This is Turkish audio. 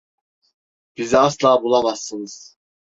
Bizi asla bulamazsınız.